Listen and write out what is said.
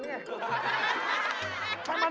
ด้านขวา๕๐คน